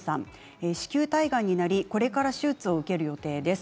子宮体がんなりこれから手術を受ける予定です。